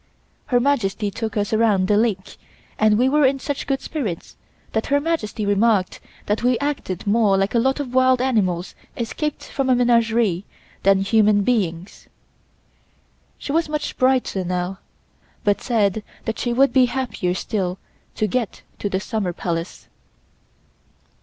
Her Majesty took us around the lake and we were in such good spirits that Her Majesty remarked that we acted more like a lot of wild animals escaped from a menagerie than human beings. She was much brighter now, but said that she would be happier still to get to the Summer Palace.